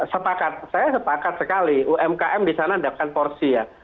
sepakat saya sepakat sekali umkm di sana mendapatkan porsi ya